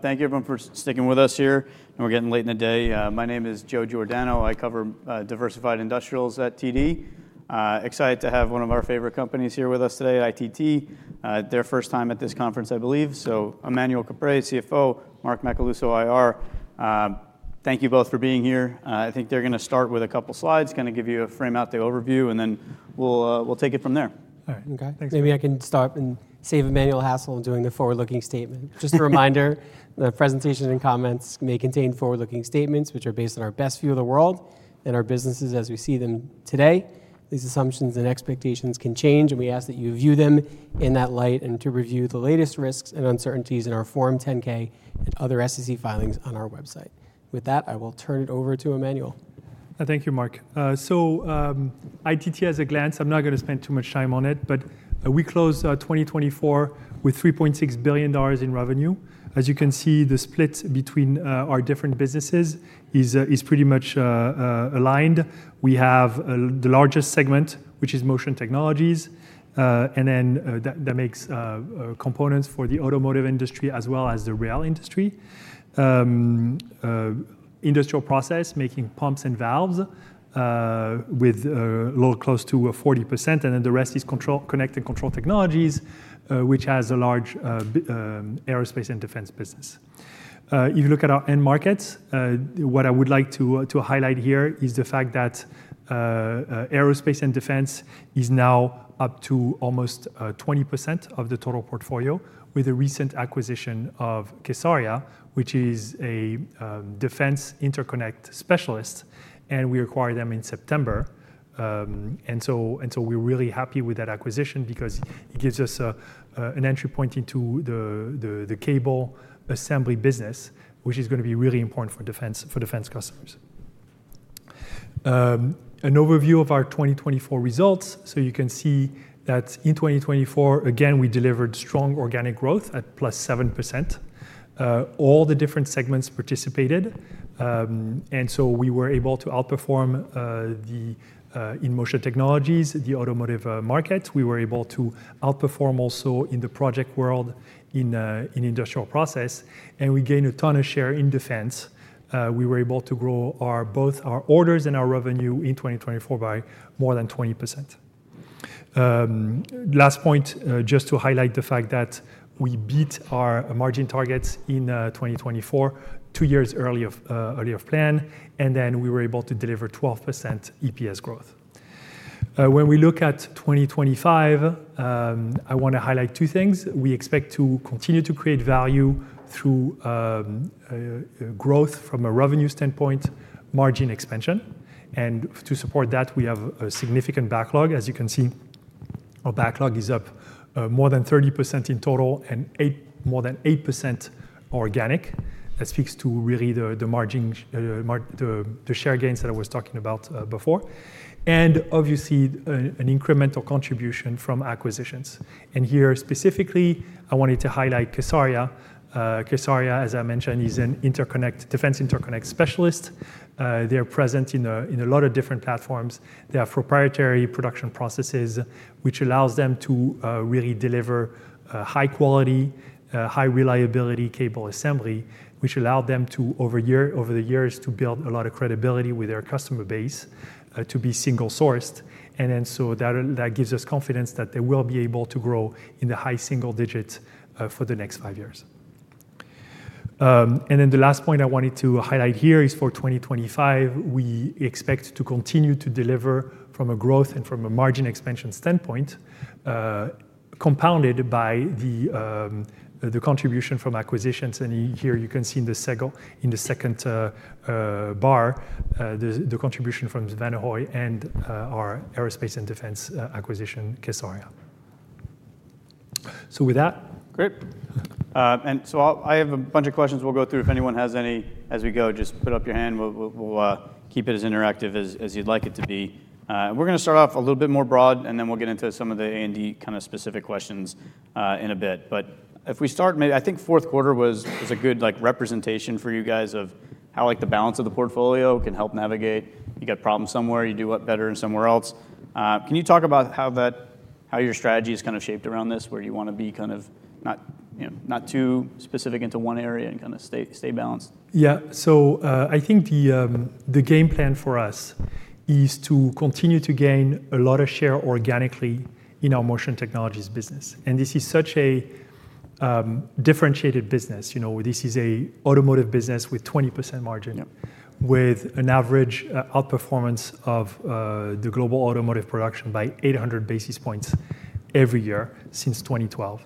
Thank you, everyone, for sticking with us here. We're getting late in the day. My name is Joe Giordano. I cover diversified industrials at TD. Excited to have one of our favorite companies here with us today, ITT. Their first time at this conference, I believe. So Emmanuel Caprais, CFO, Mark Macaluso, IR. Thank you both for being here. I think they're going to start with a couple of slides, kind of give you a frame-out, the overview, and then we'll take it from there. All right. Thanks, guys. Maybe I can start and have Emmanuel Caprais do the forward-looking statement. Just a reminder, the presentation and comments may contain forward-looking statements, which are based on our best view of the world and our businesses as we see them today. These assumptions and expectations can change, and we ask that you view them in that light and to review the latest risks and uncertainties in our Form 10-K and other SEC filings on our website. With that, I will turn it over to Emmanuel. Thank you, Mark. So ITT, at a glance, I'm not going to spend too much time on it, but we close 2024 with $3.6 billion in revenue. As you can see, the split between our different businesses is pretty much aligned. We have the largest segment, which is Motion Technologies, and then that makes components for the automotive industry as well as the rail industry. Industrial process making pumps and valves with a little close to 40%, and then the rest is Connect and Control Technologies, which has a large aerospace and defense business. If you look at our end markets, what I would like to highlight here is the fact that aerospace and defense is now up to almost 20% of the total portfolio with a recent acquisition of kSARIA, which is a defense interconnect specialist, and we acquired them in September. And so we're really happy with that acquisition because it gives us an entry point into the cable assembly business, which is going to be really important for defense customers. An overview of our 2024 results. So you can see that in 2024, again, we delivered strong organic growth at +7%. All the different segments participated. And so we were able to outperform in Motion Technologies, the automotive market. We were able to outperform also in the project world in Industrial Process. And we gained a ton of share in defense. We were able to grow both our orders and our revenue in 2024 by more than 20%. Last point, just to highlight the fact that we beat our margin targets in 2024 two years earlier of plan, and then we were able to deliver 12% EPS growth. When we look at 2025, I want to highlight two things. We expect to continue to create value through growth from a revenue standpoint, margin expansion, and to support that, we have a significant backlog. As you can see, our backlog is up more than 30% in total and more than 8% organic. That speaks to really the share gains that I was talking about before, and obviously, an incremental contribution from acquisitions. And here specifically, I wanted to highlight kSARIA. kSARIA, as I mentioned, is a defense interconnect specialist. They're present in a lot of different platforms. They have proprietary production processes, which allows them to really deliver high-quality, high-reliability cable assembly, which allowed them over the years to build a lot of credibility with their customer base to be single-sourced. And so that gives us confidence that they will be able to grow in the high single digits for the next five years. And then the last point I wanted to highlight here is for 2025, we expect to continue to deliver from a growth and from a margin expansion standpoint, compounded by the contribution from acquisitions. And here you can see in the second bar, the contribution from Svanehøj and our aerospace and defense acquisition, kSARIA. So with that. Great, and so I have a bunch of questions we'll go through. If anyone has any as we go, just put up your hand. We'll keep it as interactive as you'd like it to be. We're going to start off a little bit more broad, and then we'll get into some of the A&D kind of specific questions in a bit, but if we start, I think fourth quarter was a good representation for you guys of how the balance of the portfolio can help navigate. You got problems somewhere, you do better in somewhere else. Can you talk about how your strategy is kind of shaped around this, where you want to be kind of not too specific into one area and kind of stay balanced? Yeah. So I think the game plan for us is to continue to gain a lot of share organically in our Motion Technologies business. And this is such a differentiated business. This is an automotive business with 20% margin, with an average outperformance of the global automotive production by 800 basis points every year since 2012.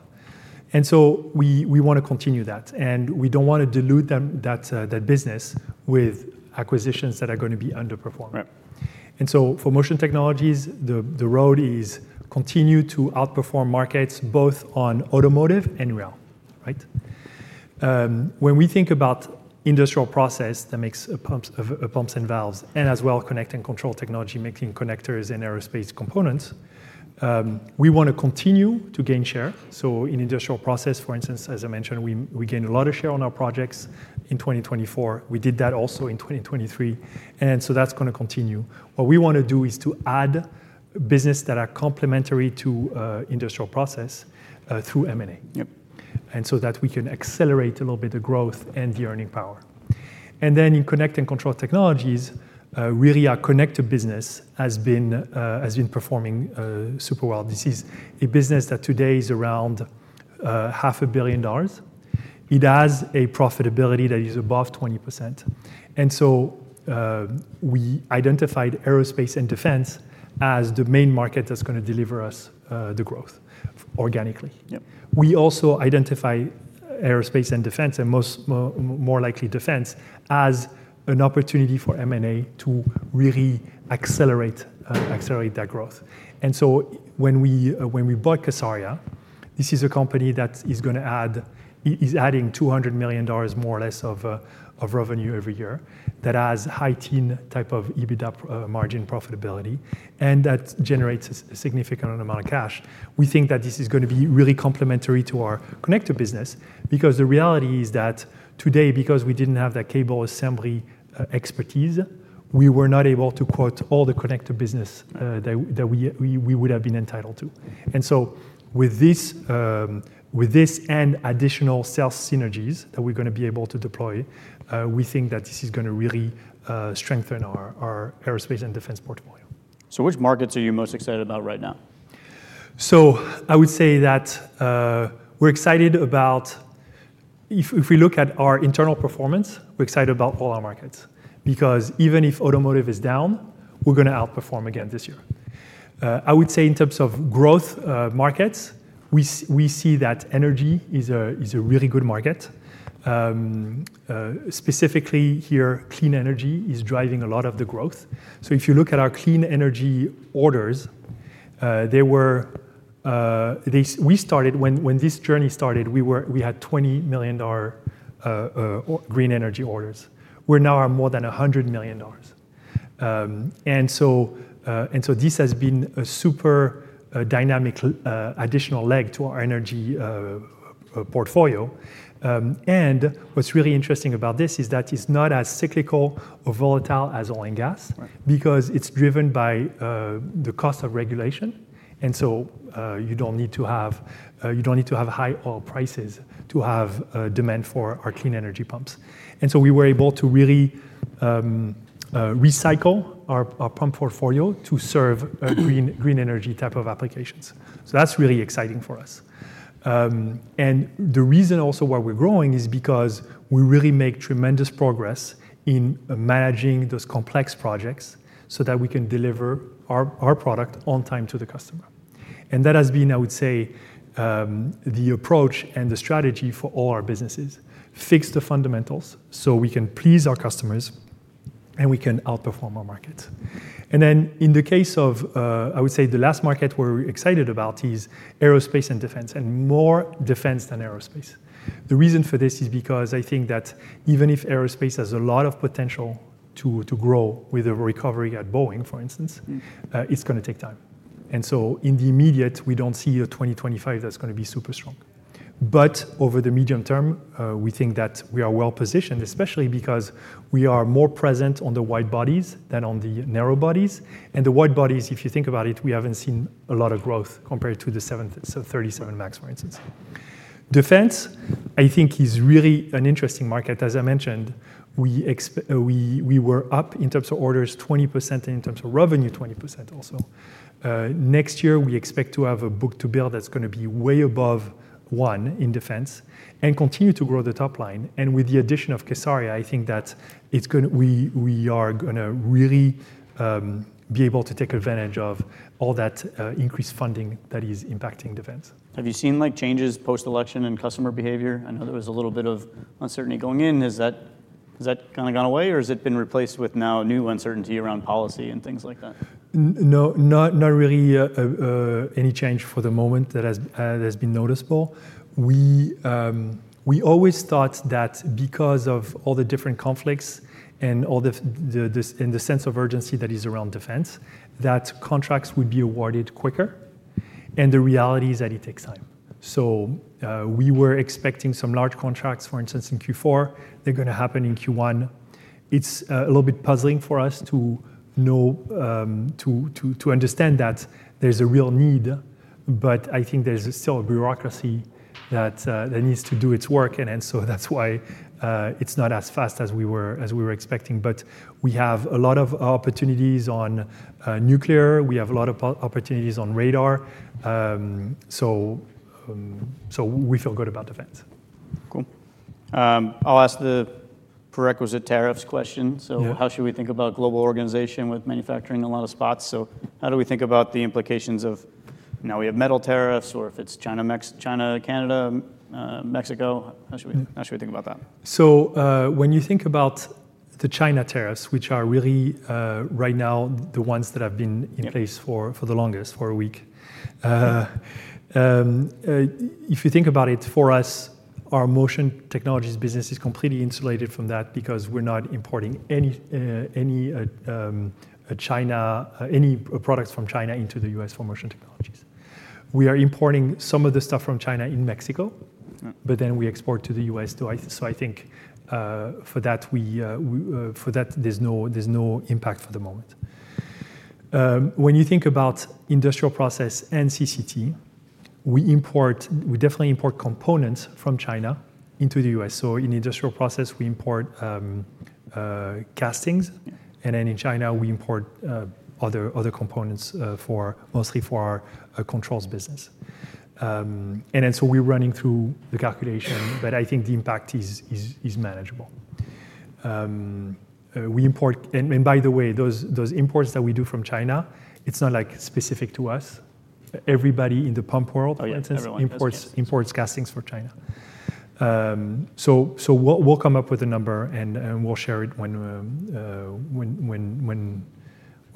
And so we want to continue that. And we don't want to dilute that business with acquisitions that are going to be underperforming. And so for Motion Technologies, the road is continue to outperform markets both on automotive and rail. When we think about Industrial Process that makes pumps and valves and as well Connect and Control Technologies making connectors and aerospace components, we want to continue to gain share. So in Industrial Process, for instance, as I mentioned, we gained a lot of share on our projects in 2024. We did that also in 2023, and so that's going to continue. What we want to do is to add business that are complementary to industrial process through M&A, and so that we can accelerate a little bit the growth and the earning power, and then in Connect and Control Technologies, really our connector business has been performing super well. This is a business that today is around $500 million. It has a profitability that is above 20%, and so we identified aerospace and defense as the main market that's going to deliver us the growth organically. We also identify aerospace and defense, and more likely defense, as an opportunity for M&A to really accelerate that growth. And so when we bought kSARIA, this is a company that is going to add, is adding $200 million more or less of revenue every year that has high-teen type of EBITDA margin profitability, and that generates a significant amount of cash. We think that this is going to be really complementary to our connector business because the reality is that today, because we didn't have that cable assembly expertise, we were not able to quote all the connector business that we would have been entitled to. And so with this and additional sales synergies that we're going to be able to deploy, we think that this is going to really strengthen our aerospace and defense portfolio. So which markets are you most excited about right now? So I would say that we're excited about if we look at our internal performance, we're excited about all our markets because even if automotive is down, we're going to outperform again this year. I would say in terms of growth markets, we see that energy is a really good market. Specifically here, clean energy is driving a lot of the growth. So if you look at our clean energy orders, we started when this journey started, we had $20 million green energy orders. We're now at more than $100 million. And so this has been a super dynamic additional leg to our energy portfolio. And what's really interesting about this is that it's not as cyclical or volatile as oil and gas because it's driven by the cost of regulation. And so you don't need to have high oil prices to have demand for our clean energy pumps. And so we were able to really recycle our pump portfolio to serve green energy type of applications. So that's really exciting for us. And the reason also why we're growing is because we really make tremendous progress in managing those complex projects so that we can deliver our product on time to the customer. And that has been, I would say, the approach and the strategy for all our businesses: fix the fundamentals so we can please our customers and we can outperform our markets. And then in the case of, I would say, the last market we're excited about is aerospace and defense, and more defense than aerospace. The reason for this is because I think that even if aerospace has a lot of potential to grow with a recovery at Boeing, for instance, it's going to take time, and so in the immediate, we don't see a 2025 that's going to be super strong. But over the medium term, we think that we are well positioned, especially because we are more present on the wide bodies than on the narrow bodies. And the wide bodies, if you think about it, we haven't seen a lot of growth compared to the 737 MAX, for instance. Defense, I think, is really an interesting market. As I mentioned, we were up in terms of orders 20% and in terms of revenue 20% also. Next year, we expect to have a Book-to-Bill that's going to be way above one in defense and continue to grow the top line. With the addition of kSARIA, I think that we are going to really be able to take advantage of all that increased funding that is impacting defense. Have you seen changes post-election in customer behavior? I know there was a little bit of uncertainty going in. Has that kind of gone away, or has it been replaced with now new uncertainty around policy and things like that? No, not really any change for the moment that has been noticeable. We always thought that because of all the different conflicts and the sense of urgency that is around defense, that contracts would be awarded quicker. And the reality is that it takes time. So we were expecting some large contracts, for instance, in Q4. They're going to happen in Q1. It's a little bit puzzling for us to understand that there's a real need, but I think there's still a bureaucracy that needs to do its work. And so that's why it's not as fast as we were expecting. But we have a lot of opportunities on nuclear. We have a lot of opportunities on radar. So we feel good about defense. Cool. I'll ask the prerequisite tariffs question. So how should we think about global organization with manufacturing in a lot of spots? So how do we think about the implications of now we have metal tariffs or if it's China, Canada, Mexico? How should we think about that? So when you think about the China tariffs, which are really right now the ones that have been in place for the longest, for a while, if you think about it, for us, our Motion Technologies business is completely insulated from that because we're not importing any products from China into the U.S. for Motion Technologies. We are importing some of the stuff from China into Mexico, but then we export to the U.S. So I think for that, there's no impact for the moment. When you think about Industrial Process and CCT, we definitely import components from China into the U.S. So in Industrial Process, we import castings. And then in China, we import other components mostly for our controls business. And so we're running through the calculation, but I think the impact is manageable. And by the way, those imports that we do from China, it's not specific to us. Everybody in the pump world, for instance, imports castings from China. So we'll come up with a number and we'll share it when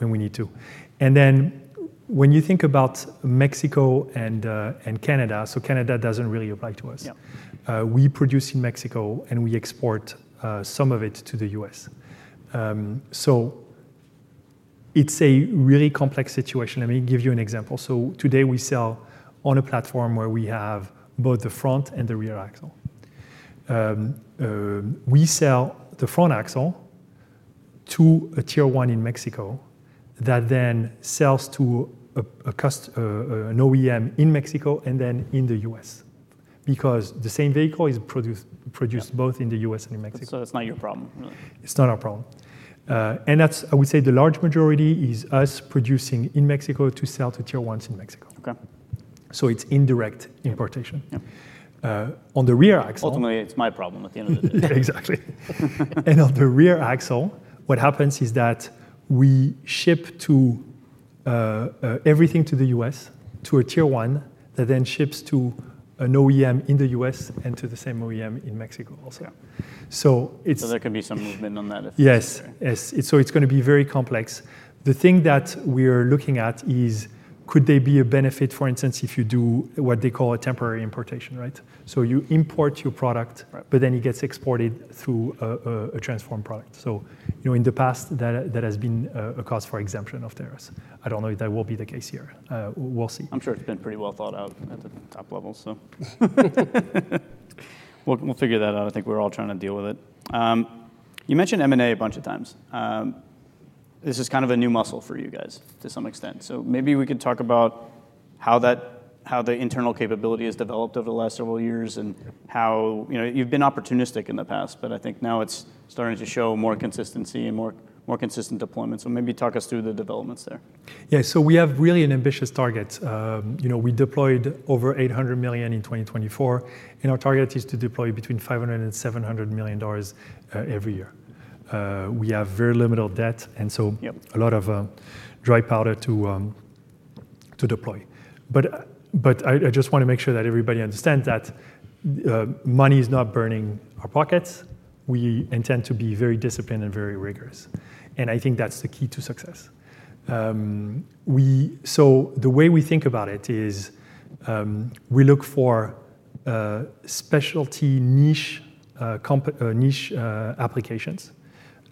we need to. And then when you think about Mexico and Canada, so Canada doesn't really apply to us. We produce in Mexico and we export some of it to the U.S. So it's a really complex situation. Let me give you an example. So today we sell on a platform where we have both the front and the rear axle. We sell the front axle to a Tier 1 in Mexico that then sells to an OEM in Mexico and then in the U.S. because the same vehicle is produced both in the U.S. and in Mexico. So it's not your problem. It's not our problem, and I would say the large majority is us producing in Mexico to sell to Tier 1s in Mexico, so it's indirect importation on the rear axle. Ultimately, it's my problem at the end of the day. Exactly. And on the rear axle, what happens is that we ship everything to the U.S. to a Tier 1 that then ships to an OEM in the U.S. and to the same OEM in Mexico also. So there can be some movement on that if necessary. Yes. So it's going to be very complex. The thing that we are looking at is could there be a benefit, for instance, if you do what they call a Temporary Importation, right? So you import your product, but then it gets exported through a transformed product. So in the past, that has been a cause for exemption of tariffs. I don't know if that will be the case here. We'll see. I'm sure it's been pretty well thought out at the top level, so. We'll figure that out. I think we're all trying to deal with it. You mentioned M&A a bunch of times. This is kind of a new muscle for you guys to some extent. So maybe we could talk about how the internal capability has developed over the last several years and how you've been opportunistic in the past, but I think now it's starting to show more consistency and more consistent deployments. So maybe talk us through the developments there. Yeah. So we have really an ambitious target. We deployed over $800 million in 2024. And our target is to deploy between $500 and $700 million every year. We have very little debt and so a lot of dry powder to deploy. But I just want to make sure that everybody understands that money is not burning our pockets. We intend to be very disciplined and very rigorous. And I think that's the key to success. So the way we think about it is we look for specialty niche applications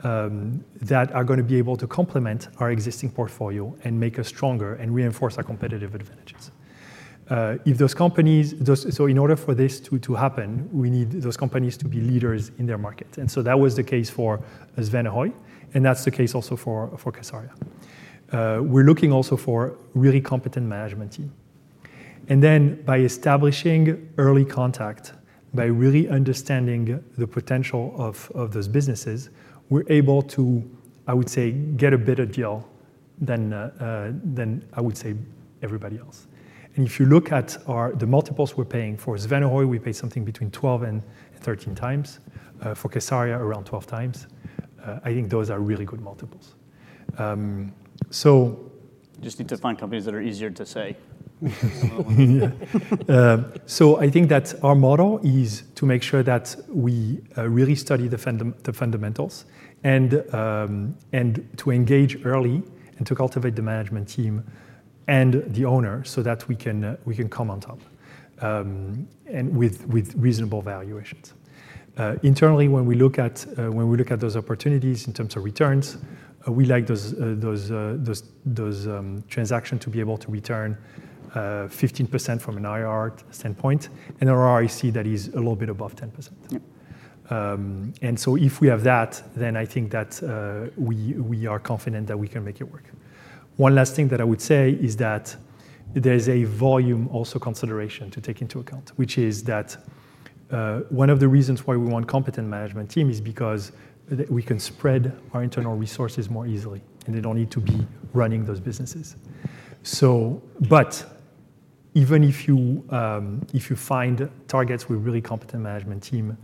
that are going to be able to complement our existing portfolio and make us stronger and reinforce our competitive advantages. So in order for this to happen, we need those companies to be leaders in their markets. And so that was the case for Svanehøj, and that's the case also for kSARIA. We're looking also for a really competent management team. And then by establishing early contact, by really understanding the potential of those businesses, we're able to, I would say, get a better deal than I would say everybody else. And if you look at the multiples we're paying for Svanehøj, we pay something between 12 and 13 times. For kSARIA, around 12 times. I think those are really good multiples. So. Just need to find companies that are easier to say. So I think that our model is to make sure that we really study the fundamentals and to engage early and to cultivate the management team and the owner so that we can come on top with reasonable valuations. Internally, when we look at those opportunities in terms of returns, we like those transactions to be able to return 15% from an IR standpoint and an ROIC that is a little bit above 10%. And so if we have that, then I think that we are confident that we can make it work. One last thing that I would say is that there is a volume also consideration to take into account, which is that one of the reasons why we want a competent management team is because we can spread our internal resources more easily, and they don't need to be running those businesses. But even if you find targets with a really competent management team,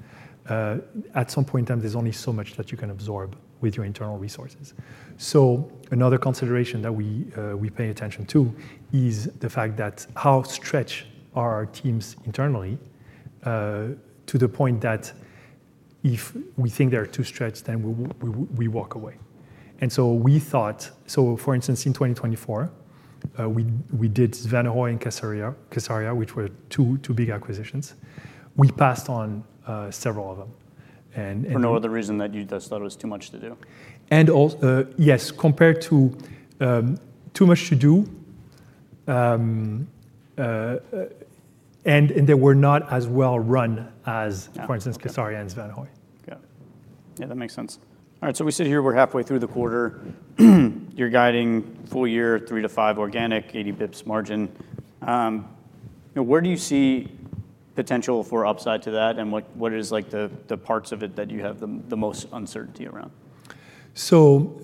at some point in time, there's only so much that you can absorb with your internal resources. So another consideration that we pay attention to is the fact that how stretched are our teams internally to the point that if we think they're too stretched, then we walk away. And so we thought, so for instance, in 2024, we did Svanehøj and kSARIA, which were two big acquisitions. We passed on several of them. For no other reason than you just thought it was too much to do. Yes, compared to too much to do, and they were not as well run as, for instance, kSARIA and Svanehøj. Yeah, that makes sense. All right, so we sit here, we're halfway through the quarter. You're guiding full year, 3-5 organic, 80 basis points margin. Where do you see potential for upside to that, and what is the parts of it that you have the most uncertainty around?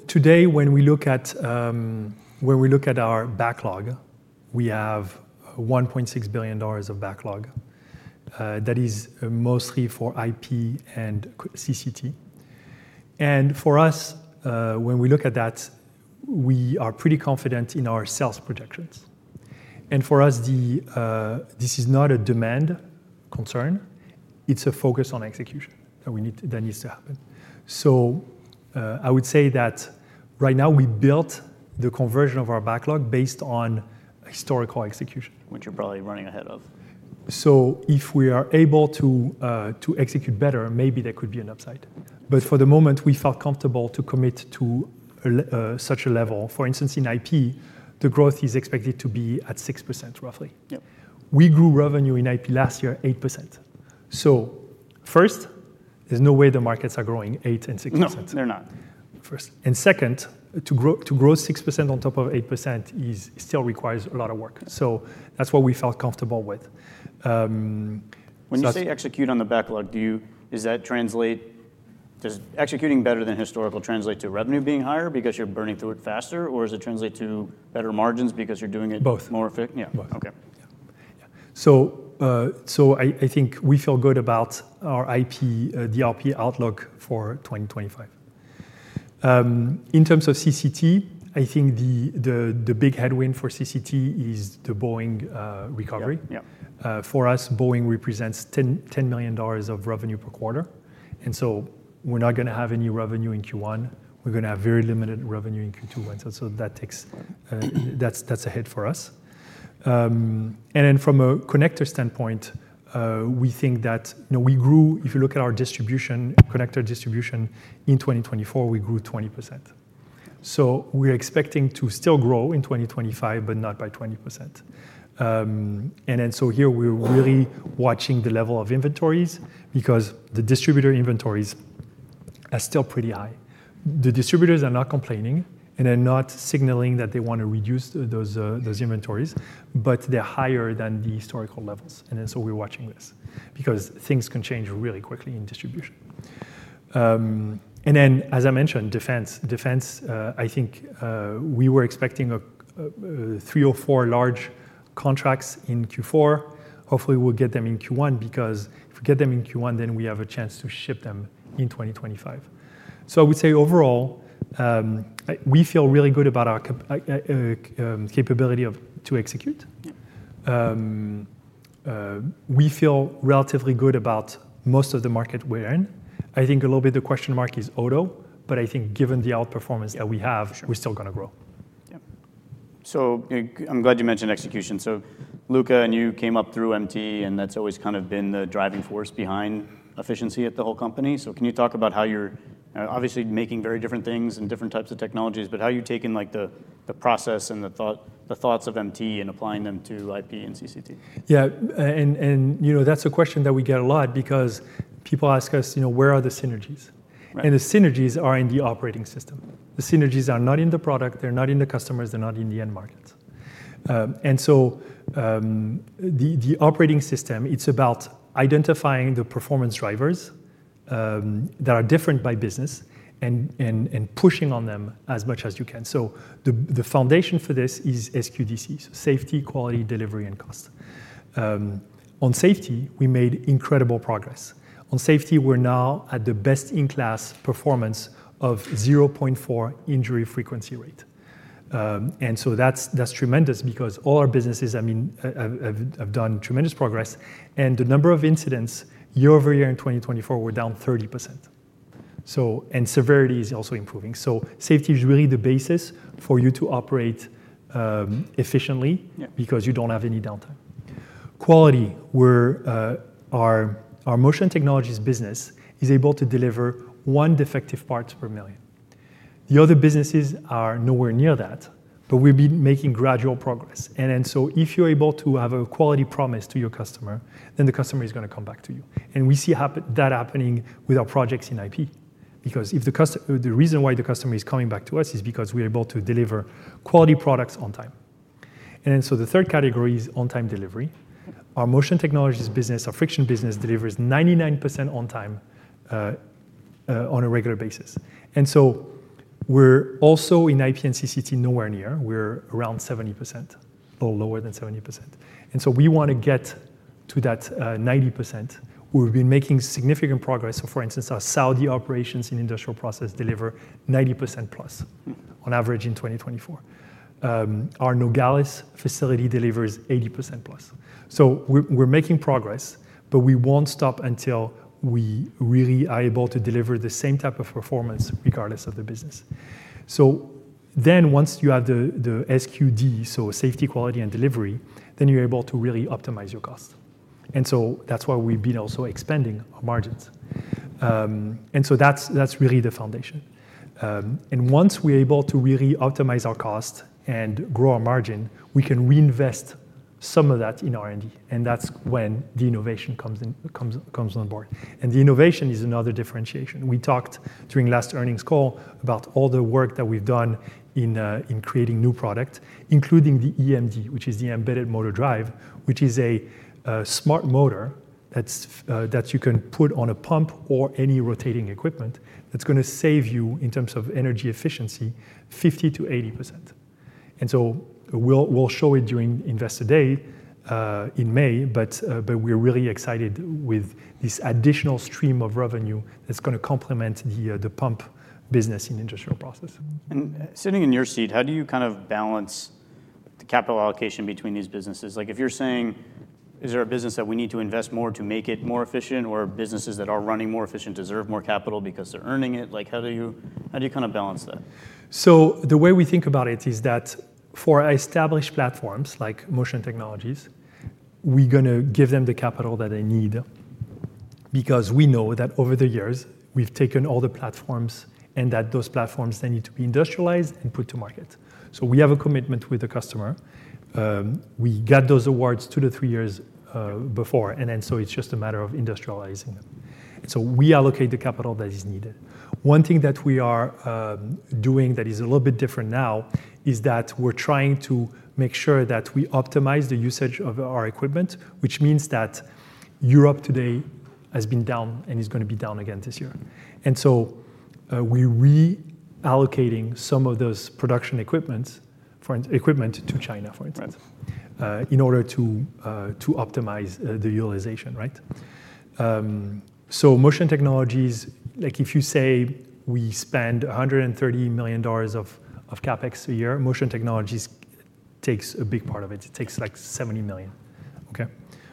Today, when we look at our backlog, we have $1.6 billion of backlog that is mostly for IP and CCT. For us, when we look at that, we are pretty confident in our sales projections. For us, this is not a demand concern. It is a focus on execution that needs to happen. I would say that right now we built the conversion of our backlog based on historical execution. Which you're probably running ahead of. So if we are able to execute better, maybe there could be an upside. But for the moment, we felt comfortable to commit to such a level. For instance, in IP, the growth is expected to be at 6%, roughly. We grew revenue in IP last year, 8%. So first, there's no way the markets are growing 8% and 6%. No, they're not. Second, to grow 6% on top of 8% still requires a lot of work. That's what we felt comfortable with. When you say execute on the backlog, does that translate? Does executing better than historical translate to revenue being higher because you're burning through it faster, or does it translate to better margins because you're doing it more efficiently? Both. Yeah, both. Yeah. So I think we feel good about our IP, DRP outlook for 2025. In terms of CCT, I think the big headwind for CCT is the Boeing recovery. For us, Boeing represents $10 million of revenue per quarter. And so we're not going to have any revenue in Q1. We're going to have very limited revenue in Q2. And so that's a hit for us. And then from a connector standpoint, we think that we grew, if you look at our connector distribution in 2024, we grew 20%. So we're expecting to still grow in 2025, but not by 20%. And then so here, we're really watching the level of inventories because the distributor inventories are still pretty high. The distributors are not complaining and are not signaling that they want to reduce those inventories, but they're higher than the historical levels. And then so we're watching this because things can change really quickly in distribution. And then, as I mentioned, defense. Defense, I think we were expecting three or four large contracts in Q4. Hopefully, we'll get them in Q1 because if we get them in Q1, then we have a chance to ship them in 2025. So I would say overall, we feel really good about our capability to execute. We feel relatively good about most of the market we're in. I think a little bit of the question mark is auto, but I think given the outperformance that we have, we're still going to grow. So, I'm glad you mentioned execution. So Luca and you came up through MT, and that's always kind of been the driving force behind efficiency at the whole company. So can you talk about how you're obviously making very different things and different types of technologies, but how you've taken the process and the thoughts of MT and applying them to IP and CCT? Yeah. And that's a question that we get a lot because people ask us, where are the synergies? And the synergies are in the operating system. The synergies are not in the product. They're not in the customers. They're not in the end markets. And so the operating system, it's about identifying the performance drivers that are different by business and pushing on them as much as you can. So the foundation for this is SQDC, so Safety, Quality, Delivery, and Cost. On safety, we made incredible progress. On safety, we're now at the best-in-class performance of 0.4 injury frequency rate. And so that's tremendous because all our businesses, I mean, have done tremendous progress. And the number of incidents year over year in 2024 were down 30%. And severity is also improving. So safety is really the basis for you to operate efficiently because you don't have any downtime. Quality, our Motion Technologies business is able to deliver one defective part per million. The other businesses are nowhere near that, but we've been making gradual progress, and then so if you're able to have a quality promise to your customer, then the customer is going to come back to you, and we see that happening with our projects in IP because the reason why the customer is coming back to us is because we're able to deliver quality products on time, and then so the third category is on-time delivery. Our Motion Technologies business, our friction business delivers 99% on time on a regular basis, and so we're also in IP and CCT nowhere near. We're around 70%, a little lower than 70%, and so we want to get to that 90%. We've been making significant progress. So for instance, our Saudi operations in Industrial Process deliver 90% plus on average in 2024. Our Nogales facility delivers 80% plus. So we're making progress, but we won't stop until we really are able to deliver the same type of performance regardless of the business. So then once you have the SQD, so safety, quality, and delivery, then you're able to really optimize your cost. And so that's why we've been also expanding our margins. And so that's really the foundation. And once we're able to really optimize our cost and grow our margin, we can reinvest some of that in R&D. And that's when the innovation comes on board. And the innovation is another differentiation. We talked during last earnings call about all the work that we've done in creating new products, including the EMD, which is the Embedded Motor Drive, which is a smart motor that you can put on a pump or any rotating equipment that's going to save you in terms of energy efficiency 50%-80%, and so we'll show it during Investor Day in May, but we're really excited with this additional stream of revenue that's going to complement the pump business in Industrial Process. Sitting in your seat, how do you kind of balance the capital allocation between these businesses? If you're saying, is there a business that we need to invest more to make it more efficient, or businesses that are running more efficient deserve more capital because they're earning it? How do you kind of balance that? So the way we think about it is that for established platforms like Motion Technologies, we're going to give them the capital that they need because we know that over the years, we've taken all the platforms and that those platforms, they need to be industrialized and put to market. So we have a commitment with the customer. We got those awards two to three years before. And then so it's just a matter of industrializing them. So we allocate the capital that is needed. One thing that we are doing that is a little bit different now is that we're trying to make sure that we optimize the usage of our equipment, which means that Europe today has been down and is going to be down again this year. And so we're reallocating some of those production equipment to China, for instance, in order to optimize the utilization, right? So Motion Technologies, if you say we spend $130 million of CapEx a year, Motion Technologies takes a big part of it. It takes like $70 million, a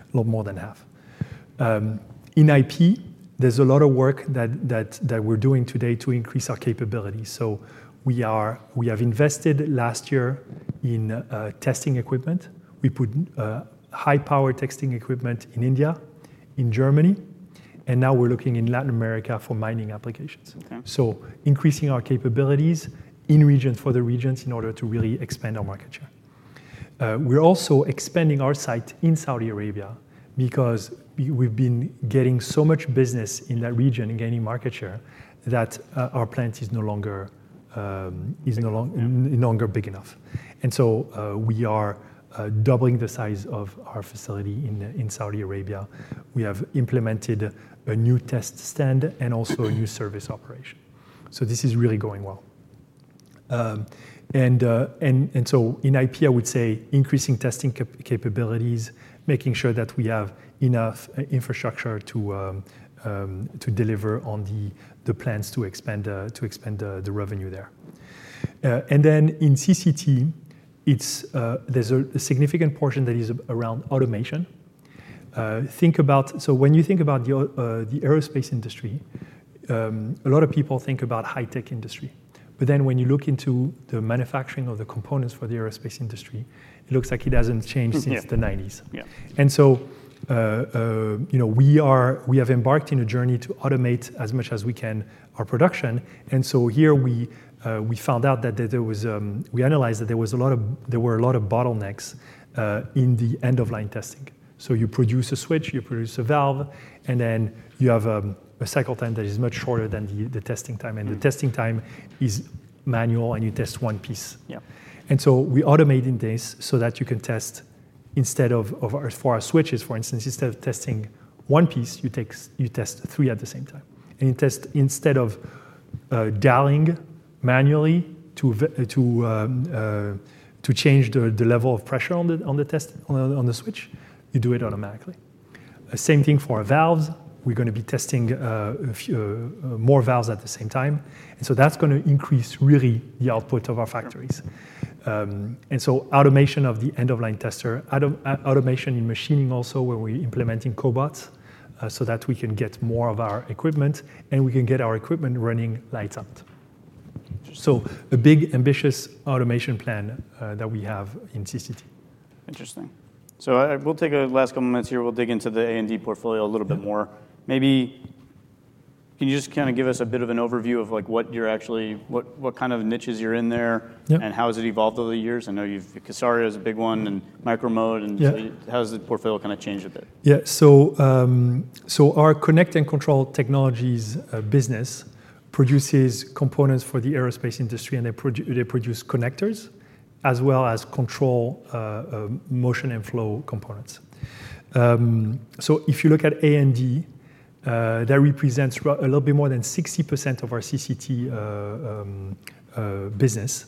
little more than half. In IP, there's a lot of work that we're doing today to increase our capability. So we have invested last year in testing equipment. We put high-power testing equipment in India, in Germany, and now we're looking in Latin America for mining applications. So increasing our capabilities in regions for the regions in order to really expand our market share. We're also expanding our site in Saudi Arabia because we've been getting so much business in that region and gaining market share that our plant is no longer big enough. And so we are doubling the size of our facility in Saudi Arabia. We have implemented a new test stand and also a new service operation. So this is really going well. And so in IP, I would say increasing testing capabilities, making sure that we have enough infrastructure to deliver on the plans to expand the revenue there. And then in CCT, there's a significant portion that is around automation. So when you think about the aerospace industry, a lot of people think about high-tech industry. But then when you look into the manufacturing of the components for the aerospace industry, it looks like it hasn't changed since the 1990s. And so we have embarked on a journey to automate as much as we can our production. And so here we found out that there was, we analyzed that there were a lot of bottlenecks in the end-of-line testing. So you produce a switch, you produce a valve, and then you have a cycle time that is much shorter than the testing time. The testing time is manual and you test one piece. We automated this so that you can test instead of for our switches, for instance, instead of testing one piece, you test three at the same time. Instead of dialing manually to change the level of pressure on the switch, you do it automatically. Same thing for our valves. We're going to be testing more valves at the same time. That's going to increase really the output of our factories. Automation of the end-of-line tester, automation in machining also where we're implementing cobots so that we can get more of our equipment and we can get our equipment running lights out. A big, ambitious automation plan that we have in CCT. Interesting. So we'll take the last couple of minutes here. We'll dig into the A&D portfolio a little bit more. Maybe can you just kind of give us a bit of an overview of what kind of niches you're in there and how has it evolved over the years? I know you've got kSARIA as a big one and Micro-Mode. And how has the portfolio kind of changed a bit? Yeah. Our Connect and Control Technologies business produces components for the aerospace industry, and they produce connectors as well as control motion and flow components. If you look at A&D, that represents a little bit more than 60% of our CCT business.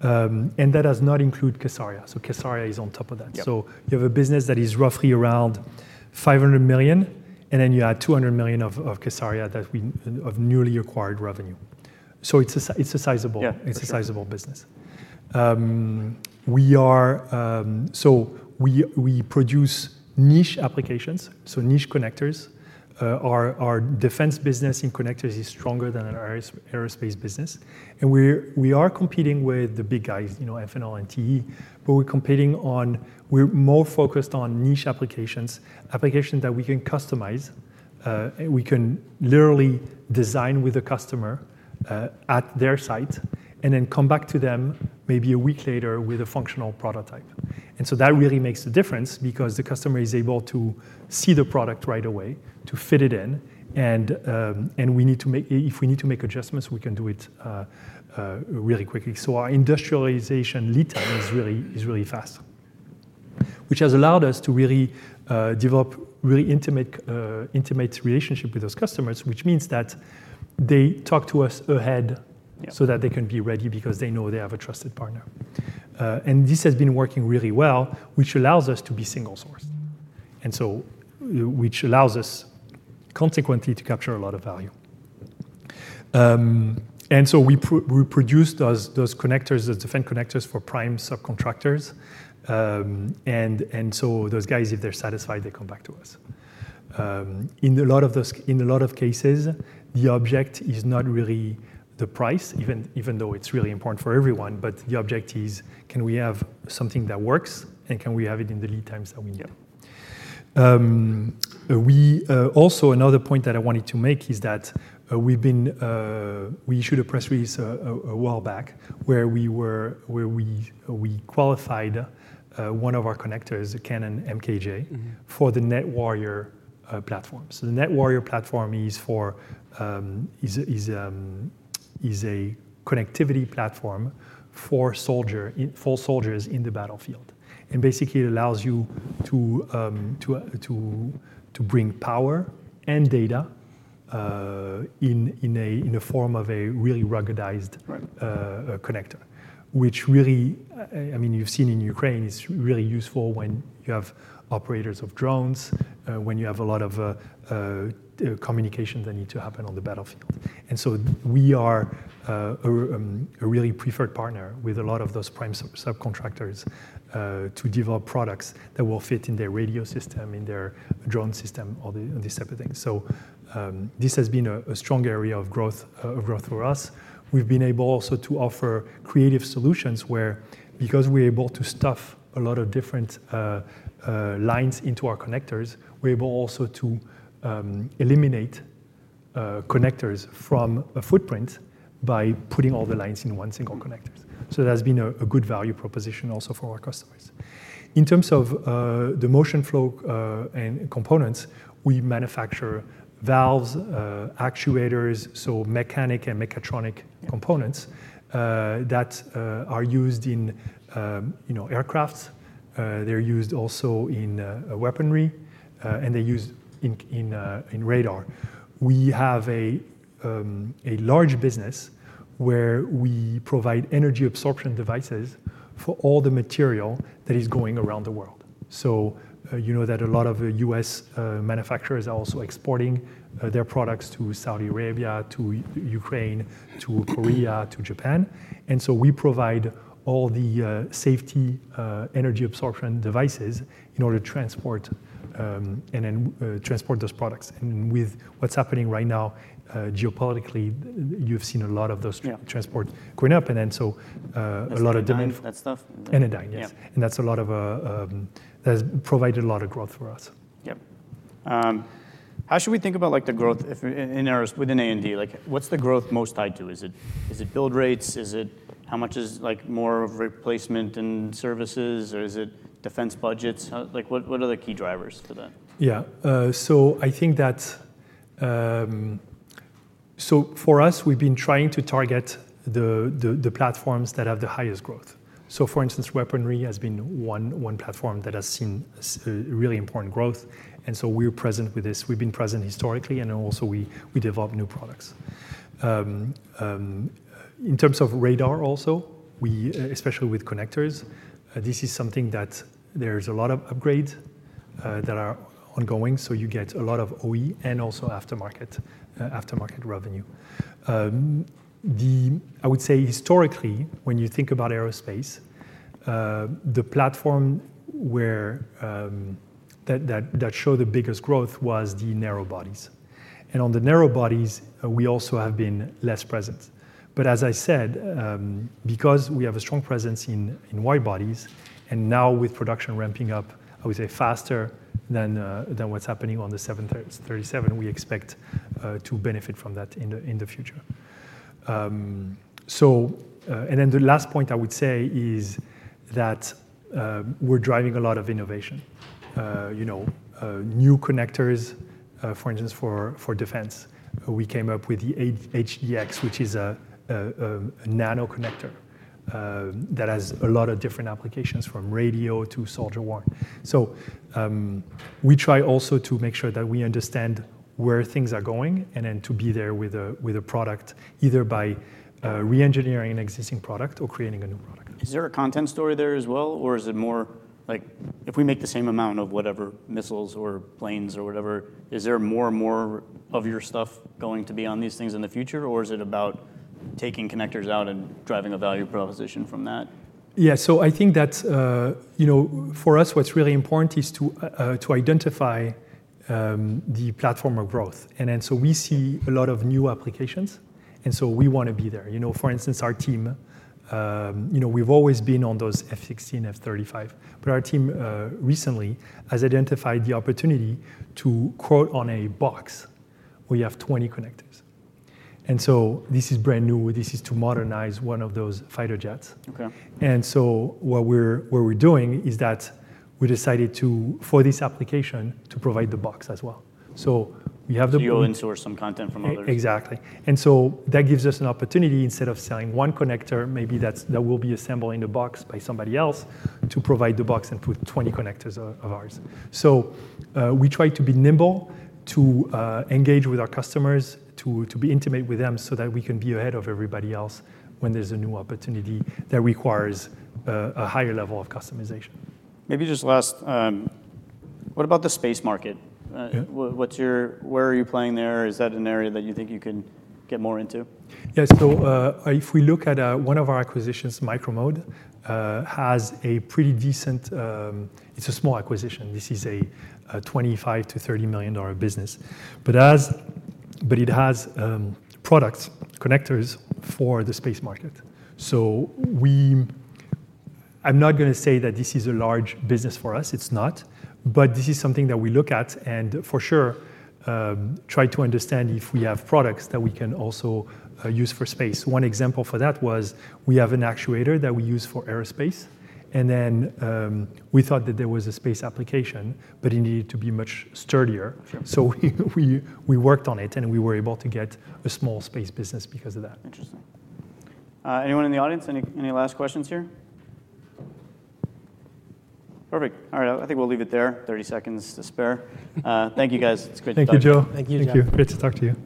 That does not include kSARIA. kSARIA is on top of that. You have a business that is roughly around $500 million, and then you add $200 million of kSARIA that we have newly acquired revenue. It's a sizable business. We produce niche applications, so niche connectors. Our defense business in connectors is stronger than our aerospace business. We are competing with the big guys, Amphenol and TE, but we're competing on, we're more focused on niche applications, applications that we can customize. We can literally design with the customer at their site and then come back to them maybe a week later with a functional prototype. And so that really makes the difference because the customer is able to see the product right away, to fit it in. And if we need to make adjustments, we can do it really quickly. So our industrialization lead time is really fast, which has allowed us to really develop a really intimate relationship with those customers, which means that they talk to us ahead so that they can be ready because they know they have a trusted partner. And this has been working really well, which allows us to be single sourced, which allows us consequently to capture a lot of value. And so we produced those connectors, those defense connectors for prime subcontractors. Those guys, if they're satisfied, they come back to us. In a lot of cases, the object is not really the price, even though it's really important for everyone, but the object is, can we have something that works and can we have it in the lead times that we need? Also, another point that I wanted to make is that we issued a press release a while back where we qualified one of our connectors, the Cannon MKJ, for the Nett Warrior platform. The Nett Warrior platform is a connectivity platform for soldiers in the battlefield. Basically, it allows you to bring power and data in the form of a really ruggedized connector, which really, I mean, you've seen in Ukraine, is really useful when you have operators of drones, when you have a lot of communications that need to happen on the battlefield. We are a really preferred partner with a lot of those prime subcontractors to develop products that will fit in their radio system, in their drone system, all these types of things. This has been a strong area of growth for us. We've been able also to offer creative solutions where, because we're able to stuff a lot of different lines into our connectors, we're able also to eliminate connectors from a footprint by putting all the lines in one single connector. That's been a good value proposition also for our customers. In terms of the motion flow components, we manufacture valves, actuators, so mechanical and mechatronic components that are used in aircraft. They're used also in weaponry, and they're used in radar. We have a large business where we provide energy absorption devices for all the materiel that is going around the world. You know that a lot of U.S. manufacturers are also exporting their products to Saudi Arabia, to Ukraine, to Korea, to Japan. We provide all the safety energy absorption devices in order to transport those products. With what's happening right now geopolitically, you've seen a lot of those transport going up. Then so a lot of demand. Energy and stuff. Energy, yes, and that's a lot of that has provided a lot of growth for us. Yep. How should we think about the growth within A&D? What's the growth most tied to? Is it build rates? How much is more of replacement and services? Or is it defense budgets? What are the key drivers for that? Yeah. So I think that for us, we've been trying to target the platforms that have the highest growth. So for instance, weaponry has been one platform that has seen really important growth. And so we're present with this. We've been present historically, and also we develop new products. In terms of radar also, especially with connectors, this is something that there's a lot of upgrades that are ongoing. So you get a lot of OE and aftermarket revenue. I would say historically, when you think about aerospace, the platform that showed the biggest growth was the narrow bodies. And on the narrow bodies, we also have been less present. But as I said, because we have a strong presence in wide bodies, and now with production ramping up, I would say faster than what's happening on the 737, we expect to benefit from that in the future. And then the last point I would say is that we're driving a lot of innovation. New connectors, for instance, for defense, we came up with the HDx, which is a nano connector that has a lot of different applications from radio to soldier war. So we try also to make sure that we understand where things are going and then to be there with a product either by re-engineering an existing product or creating a new product. Is there a content story there as well, or is it more like if we make the same amount of whatever missiles or planes or whatever, is there more and more of your stuff going to be on these things in the future, or is it about taking connectors out and driving a value proposition from that? Yeah. So I think that for us, what's really important is to identify the platform of growth. And then so we see a lot of new applications, and so we want to be there. For instance, our team, we've always been on those F-16, F-35, but our team recently has identified the opportunity to quote on a box where you have 20 connectors. And so this is brand new. This is to modernize one of those fighter jets. And so what we're doing is that we decided for this application to provide the box as well. So we have the book. You own in-source some content from others. Exactly, and so that gives us an opportunity instead of selling one connector, maybe that will be assembled in a box by somebody else to provide the box and put 20 connectors of ours, so we try to be nimble to engage with our customers, to be intimate with them so that we can be ahead of everybody else when there's a new opportunity that requires a higher level of customization. Maybe just last, what about the space market? Where are you playing there? Is that an area that you think you can get more into? Yeah. So, if we look at one of our acquisitions, Micro-Mode has a pretty decent, it's a small acquisition. This is a $25-$30 million business. But it has products, connectors for the space market. So, I'm not going to say that this is a large business for us. It's not. But this is something that we look at and for sure try to understand if we have products that we can also use for space. One example for that was we have an actuator that we use for aerospace. And then we thought that there was a space application, but it needed to be much sturdier. So, we worked on it and we were able to get a small space business because of that. Interesting. Anyone in the audience? Any last questions here? Perfect. All right. I think we'll leave it there, 30 seconds to spare. Thank you, guys. It's great to talk to you. Thank you, Joe. Thank you, Joe. Thank you. Great to talk to you.